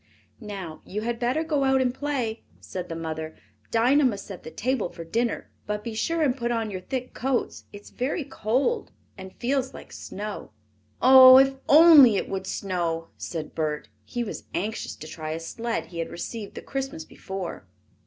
"Now you had better go out and play," said the mother. "Dinah must set the table for dinner. But be sure and put on your thick coats. It is very cold and feels like snow." "Oh, if only it would snow!" said Bert. He was anxious to try a sled he had received the Christmas before.